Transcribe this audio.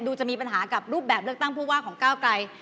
จะมีปัญหากับรูปแบบเลือกตั้งผู้ว่าของก้าวไกล